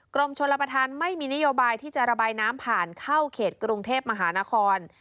กรมชนรับประทานไม่มีนโยบายที่จะระบายน้ำผ่านเข้าเขตกรุงเทพมหานคร